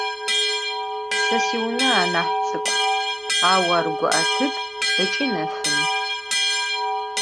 Se siune anah ts'ık'u, au ar gu'etıp' ıç'i nefın.